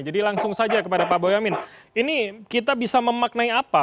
jadi langsung saja kepada pak boyamin ini kita bisa memaknai apa